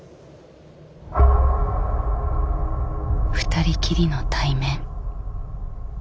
２人きりの対面。